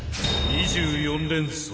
２４連装？